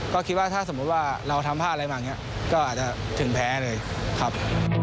ก็คิดว่าถ้าสมมุติว่าเราทำพลาดอะไรมาอย่างนี้ก็อาจจะถึงแพ้เลยครับ